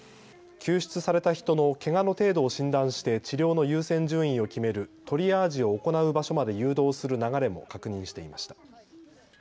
救出された人のけがの程度を診断して治療の優先順位を決めるトリアージを行う場所まで誘導する流れも確認していました。